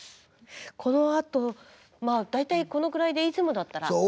このあとまあ大体このくらいでいつもだったら。